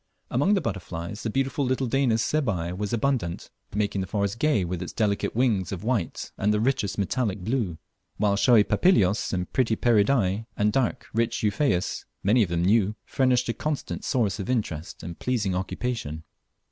Among butterflies the beautiful little Danis sebae was abundant, making the forests gay with its delicate wings of white and the richest metallic blue; while showy Papilios, and pretty Pieridae, and dark, rich Euphaeas, many of them new, furnished a constant source of interest and pleasing occupation.